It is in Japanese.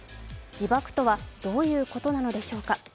自爆とはどういうことなのでしょうか。